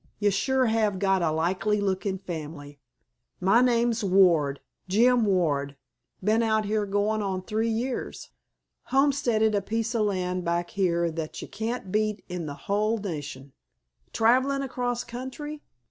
Ye sure have got a likely lookin' family. My name's Ward—Jim Ward. B'en out here goin' on three years. Homesteaded a piece o' land back here that ye can't beat in the hull nation. Travelin' across country?